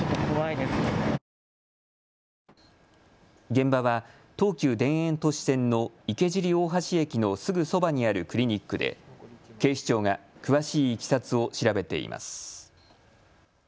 現場は東急田園都市線の池尻大橋駅のすぐそばにあるクリニックで警視庁が詳しいいきさつを調べています。